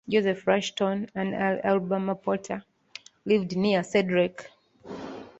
Joseph Rushton, an early Alabama potter, lived near Cedric.